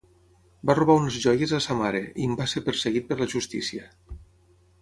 Va robar unes joies a sa mare, i en va ser perseguit per la justícia.